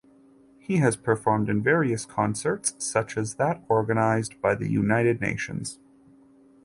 He has performed in various concerts such as that organized by United Nations.